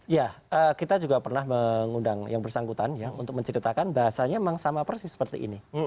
ya kita juga pernah mengundang yang bersangkutan ya untuk menceritakan bahasanya memang sama persis seperti ini